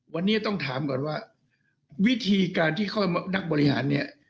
วันนี้ต้องถามก่อนว่าวิธีการที่ค่อยนักบริหารเนี่ย